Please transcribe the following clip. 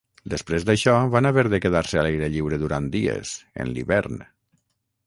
Després d'això, van haver de quedar-se a l'aire lliure durant dies, en l'hivern.